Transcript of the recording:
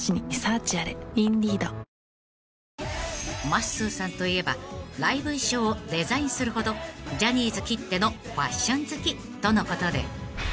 ［まっすーさんといえばライブ衣装をデザインするほどジャニーズきってのファッション好きとのことで］